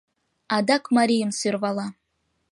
Адак марийым сӧрвала: